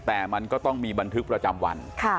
แต่มันก็ต้องมีบันทึกประจำวัน